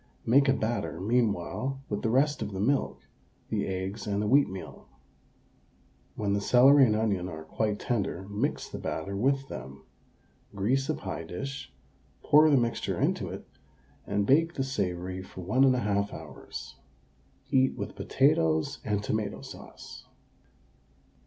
Make a batter meanwhile with the rest of the milk, the eggs and the wheatmeal. When the celery and onion are quite tender mix the batter with them; grease a pie dish, pour the mixture into it, and bake the savoury for 1 1/2 hours. Eat with potatoes and tomato sauce.